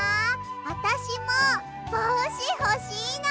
あたしもぼうしほしいな。